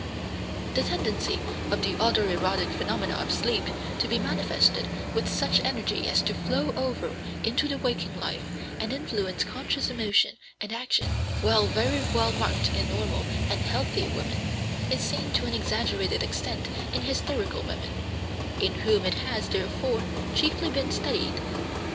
The tendency of the auto erotic phenomena of sleep to be manifested with such energy as to flow over into the waking life and influence conscious emotion and action, while very well marked in normal and healthy women, is seen to an exaggerated extent in hysterical women, in whom it has, therefore, chiefly been studied.